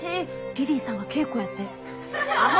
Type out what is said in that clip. リリーさんが稽古やて！アホ！